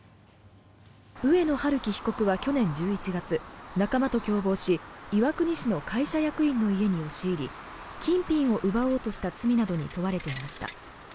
上野晴生被告は去年１１月仲間と共謀し岩国市の会社役員の家に押し入り金品を奪おうとした罪などに問われていました。